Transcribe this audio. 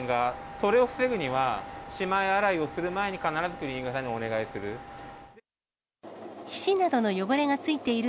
それを防ぐには、しまい洗いをする前に、必ずクリーニング屋さんにお願いをする。